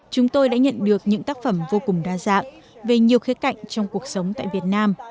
chúng tôi đã nhận được những tác phẩm vô cùng đa dạng về nhiều khía cạnh trong cuộc sống tại việt nam